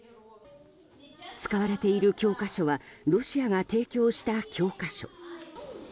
使われている教科書はロシアが提供した教科書。